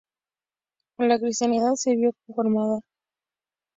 La cristiandad se vio confrontada con dos papas rivales.